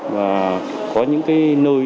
và có những cái nơi